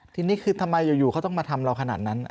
ทีนี้คือทำไมอยู่เขาต้องมาทำเราขนาดนั้น